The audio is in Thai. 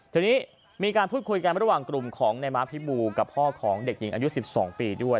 ทีนี้มีการพูดคุยกันระหว่างกลุ่มของนายม้าพิบูกับพ่อของเด็กหญิงอายุ๑๒ปีด้วย